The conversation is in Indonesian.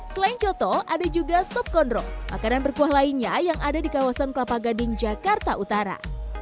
selain coto ada juga sop kondro makanan berkuah lainnya yang ada di kawasan kelapa gading jakarta utara